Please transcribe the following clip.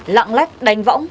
lạng lách đánh võng